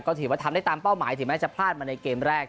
ก็ถือว่าทำได้ตามเป้าหมายถึงแม้จะพลาดมาในเกมแรก